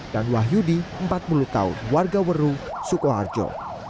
dan wahyudi empat puluh tahun warga weru sukoharjo